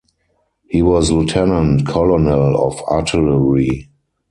He was lieutenant colonel of artillery.